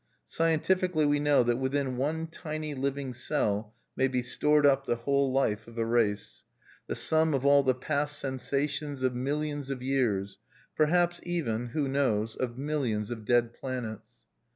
Scientifically we know that within one tiny living cell may be stored up the whole life of a race, the sum of all the past sensation of millions of years; perhaps even (who knows?) of millions of dead planets.